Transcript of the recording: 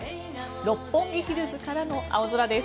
六本木ヒルズからの青空です。